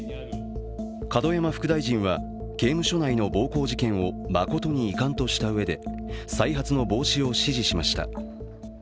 門山副大臣は刑務所内の暴行事件を誠に遺憾としたうえで再発の防止を指示しました。